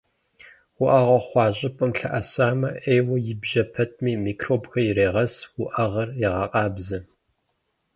Уӏэгъэ хъуа щӏыпӏэм лъэӏэсамэ, ӏейуэ ибжьэ пэтми, микробхэр ирегъэс, уӏэгъэр егъэкъабзэ.